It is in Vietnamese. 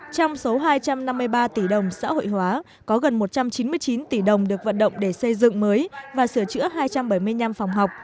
trong số hai trăm năm mươi ba tỷ đồng xã hội hóa có gần một trăm chín mươi chín tỷ đồng được vận động để xây dựng mới và sửa chữa hai trăm bảy mươi năm phòng học